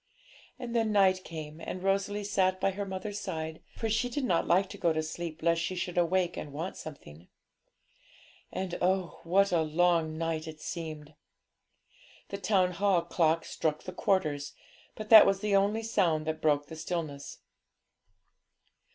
"' And then night came, and Rosalie sat by her mother's side, for she did not like to go to sleep lest she should awake and want something. And oh, what a long night it seemed! The Town Hall clock struck the quarters, but that was the only sound that broke the stillness.